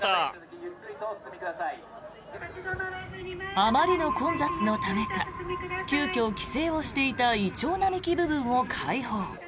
あまりの混雑のためか急きょ、規制をしていたイチョウ並木部分を開放。